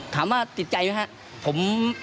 ถามว่าติดใจไหมครับ